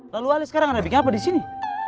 lalu ali sekarang ada bikin apa disini